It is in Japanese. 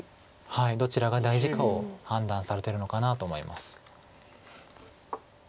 どちらが大事かを判断されてるのかなと思います。